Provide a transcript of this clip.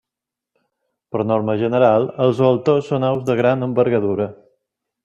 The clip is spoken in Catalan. Per norma general, els voltors són aus de gran envergadura.